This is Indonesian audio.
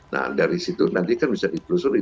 nah dari situ nanti kan bisa ditelusuri